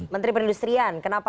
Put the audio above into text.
menteri perindustrian kenapa